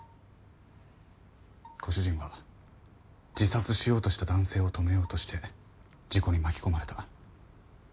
ご主人は自殺しようとした男性を止めようとして事故に巻き込まれた。